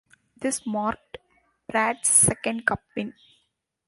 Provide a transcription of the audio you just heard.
This marked Pratt's second Cup win.